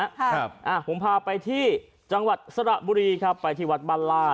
ครับอ่าผมพาไปที่จังหวัดสระบุรีครับไปที่วัดบ้านล่า